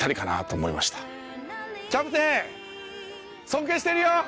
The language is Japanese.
尊敬してるよ！